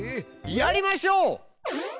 やりましょう！